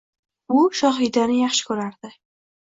U Shohidani yaxshi ko‘rardi